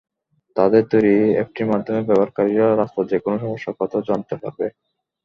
তাঁদের তৈরি অ্যাপটির মাধ্যমে ব্যবহারকারীরা রাস্তার যেকোনো সমস্যার কথা জানাতে পারবে।